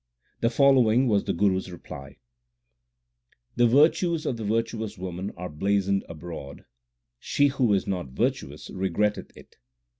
The following was the Guru s reply : The virtues of the virtuous woman are blazoned abroad ; she who is not virtuous regretteth it.